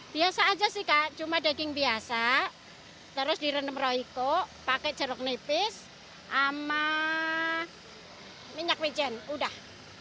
biasa aja sih kak cuma daging biasa terus direnem royko pakai jeruk nipis sama minyak wijen udah